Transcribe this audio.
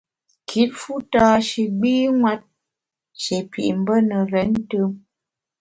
Kit fu tâ shi gbînwet, shi pit mbe ne renntùm.